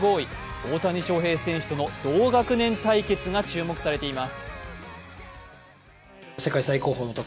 大谷翔平選手との同学年対決が注目されています。